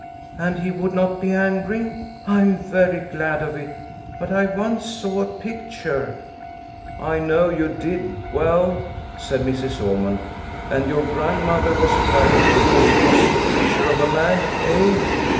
"And he would not be angry? I am very glad of it. But I once saw a picture " "I know you did well," said Mrs. Ormond, "and your grandmother was frightened because it was the picture of a man hey?